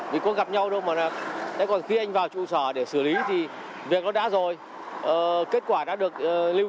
vì có gặp nhau đâu mà thế còn khi anh vào trụ sở để xử lý thì việc nó đã rồi kết quả đã được lưu